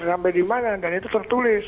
sampai di mana dan itu tertulis